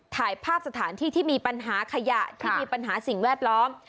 ถ่ายภาพสถานที่ที่มีปัญหาขยะที่มีปัญหาสิ่งแวดล้อม